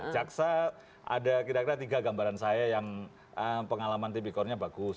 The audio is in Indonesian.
jaksa ada kira kira tiga gambaran saya yang pengalaman tipikornya bagus